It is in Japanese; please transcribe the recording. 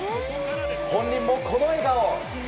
本人もこの笑顔。